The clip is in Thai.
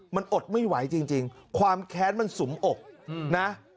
มันอดไม่ไหวจริงความแค้นมันสุมอกนะ